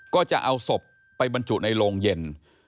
ก็จะเอาศพไปบรรจุในโรงเย็น